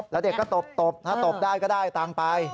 แล้วเด็กก็ตบถ้าตบได้ก็ได้ตังค์ไป